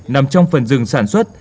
nằm trong phần rừng sản xuất